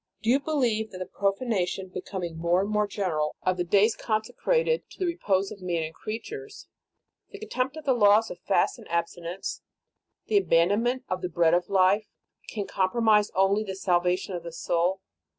Do you believe that the profanation, becoming more and more general, of the days consecrated to the re pose of man and creatures, the contempt ot the laws of fast and abstinence, the abandon ment of the bread of life, can compromise only the salvation of the soul